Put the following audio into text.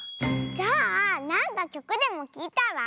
じゃあなんかきょくでもきいたら？